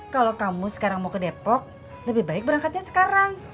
kalau kamu sekarang mau ke depok lebih baik berangkatnya sekarang